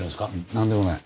なんでもない。